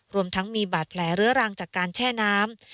รวมทั้งมีบาดแผลเรื้อรังจากการแช่น้ำ